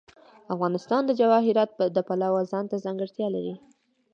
افغانستان د جواهرات د پلوه ځانته ځانګړتیا لري.